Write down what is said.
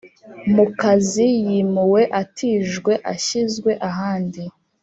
mu kazi, yimuwe, atijwe, ashyizwe ahandi,